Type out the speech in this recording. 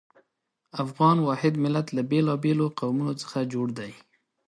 افغان واحد ملت له بېلابېلو قومونو څخه جوړ دی.